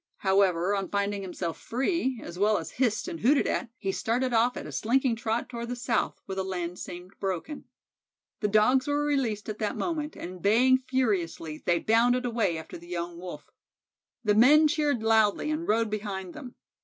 However, on finding himself free, as well as hissed and hooted at, he started off at a slinking trot toward the south, where the land seemed broken. The Dogs were released at that moment, and, baying furiously, they bounded away after the young Wolf. The men cheered loudly and rode behind them.